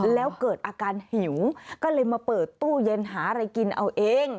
แล้วเกิดอาการหิวก็เลยมาเปิดตู้เย็นหาอะไรกินเอาเอง